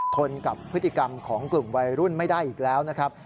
ทนกับพฤติกรรมของกลุ่มวัยรุ่นไม่ได้อีกแล้วนะครับ